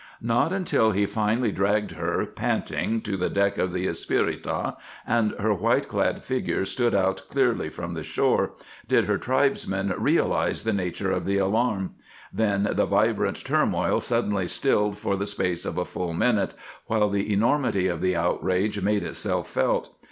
Not until he finally dragged her, panting, to the deck of the Espirita, and her white clad figure stood out clearly from the shore, did her tribesmen realize the nature of the alarm. Then the vibrant turmoil suddenly stilled for the space of a full minute while the enormity of the outrage made itself felt.